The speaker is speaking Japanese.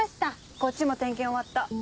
こっちも点検終わった。